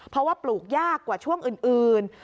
เพราะว่าปลูกยากกว่าช่วงอื่น